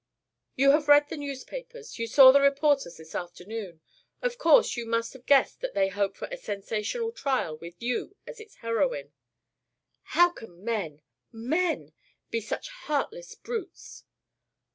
"You have read the newspapers. You saw the reporters this afternoon. Of course you must have guessed that they hope for a sensational trial with you as the heroine." "How can men men be such heartless brutes?"